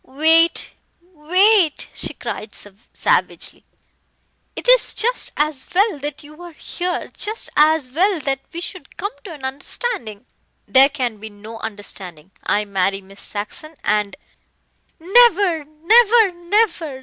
"Wait wait," she cried savagely, "it is just as well that you are here just as well that we should come to an understanding." "There can be no understanding. I marry Miss Saxon and " "Never, never, never!